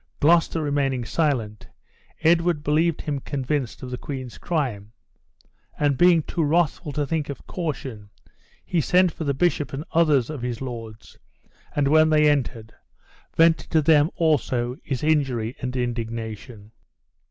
Gloucester remaining silent, Edward believed him convinced of the queen's crime; and being too wrathful to think of caution, he sent for the bishop and others of his lords, and when they entered, vented to them also his injury and indignation.